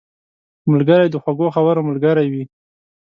ملګری د خوږو خبرو ملګری وي